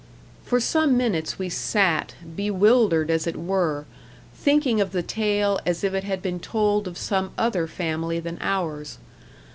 For some minutes we sat, bewildered as it were, thinking of the tale as if it had been told of some other family than ours.